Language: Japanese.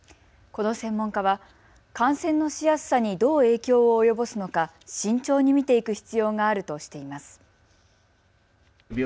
この専門家は感染のしやすさにどういう影響を及ぼすのか慎重に見ていく必要があるとしています。